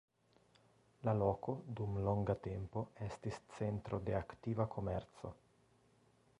La loko dum longa tempo estis centro de aktiva komerco.